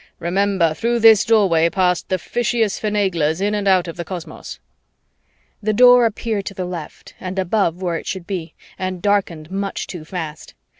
Remember, through this Doorway pass the fishiest finaglers in and out of the cosmos." The Door appeared to the left and above where it should be and darkened much too fast.